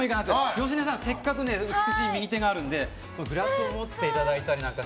芳根さん、せっかく美しい右手があるのでグラスを持っていただいて。